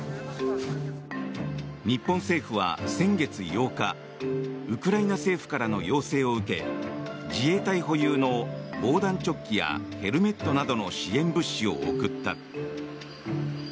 日本政府は先月８日ウクライナ政府からの要請を受け自衛隊保有の防弾チョッキやヘルメットなどの支援物資を送った。